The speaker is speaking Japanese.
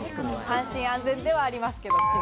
安心安全ではありますけど。